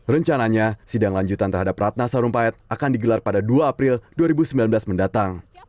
rencananya sidang lanjutan terhadap ratna sarumpayat akan digelar pada dua april dua ribu sembilan belas mendatang